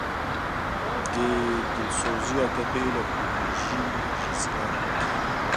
Dê dilzosiya te bihêle tu min jî rizgar bikî.